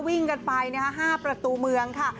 วิ่งกันไป๕ประตูเมืองค่ะ